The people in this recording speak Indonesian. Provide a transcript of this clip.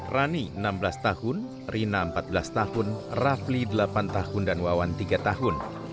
rani enam belas tahun rina empat belas tahun rafli delapan tahun dan wawan tiga tahun